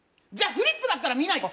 フリップだったら見ないよ